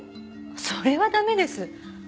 それは駄目です。